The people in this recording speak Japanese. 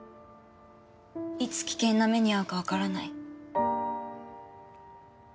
いつ危険な目に遭うかわからない。